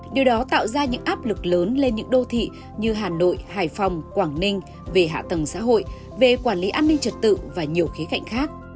điều đó tạo ra những áp lực lớn lên những đô thị như hà nội hải phòng quảng ninh về hạ tầng xã hội về quản lý an ninh trật tự và nhiều khía cạnh khác